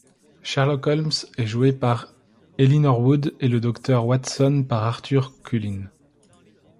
Sherlock Holmes est joué par Eille Norwood et le Docteur Watson par Arthur Cullin.